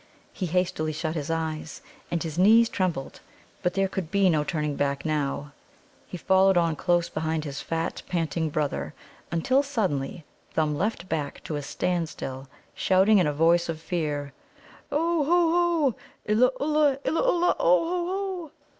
He hastily shut his eyes, and his knees trembled. But there could be no turning back now. He followed on close behind his fat, panting brother, until suddenly Thumb leapt back to a standstill, shouting in a voice of fear: "O ho, ho! Illa ulla, illa ulla! O ho, ho!"